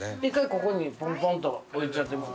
ここにポンポンと置いちゃってください。